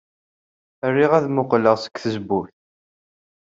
Riɣ ad mmuqqleɣ seg tzewwut.